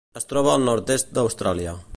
Es troba al nord-est d'Austràlia.